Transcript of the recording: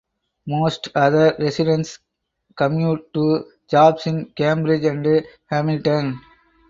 Most other residents commute to jobs in Cambridge and Hamilton.